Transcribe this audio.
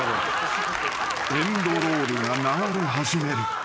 ［エンドロールが流れ始める］